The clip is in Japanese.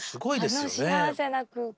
あの幸せな空間。